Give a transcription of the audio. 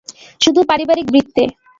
শুধু পারিবারিক বৃত্তে।